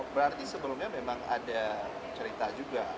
berarti sebelumnya memang ada cerita juga